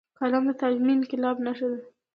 قلم د تعلیمي انقلاب نښه ده